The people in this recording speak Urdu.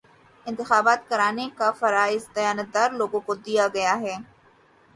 انتخابات کرانے کا فریضہ دیانتدار لوگوں کو دیا گیا ہے